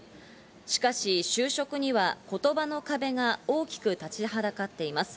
しかし就職には言葉の壁が大きく立ちはだかっています。